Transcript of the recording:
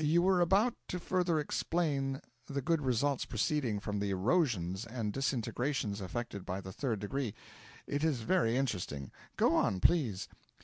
You were about to further explain the good results proceeding from the erosions and disintegrations effected by the Third Degree. It is very interesting: go on, please.'